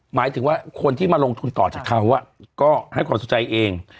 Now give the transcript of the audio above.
หมายถึงว่าคนที่มาลงทุนต่อจากเขาก็ให้ความสนใจเอง